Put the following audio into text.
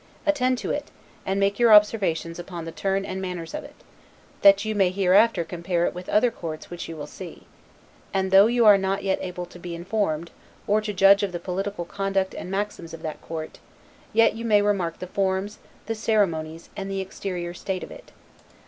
Attend to it, and make your observations upon the turn and manners of it, that you may hereafter compare it with other courts which you will see; And, though you are not yet able to be informed, or to judge of the political conduct and maxims of that court, yet you may remark the forms, the ceremonies, and the exterior state of it.